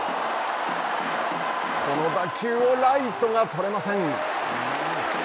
この打球をライトが捕れません。